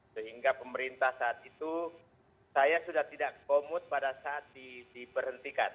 sehingga pemerintah saat itu saya sudah tidak komut pada saat diberhentikan